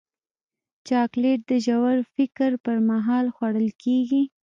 چاکلېټ د ژور فکر پر مهال خوړل کېږي.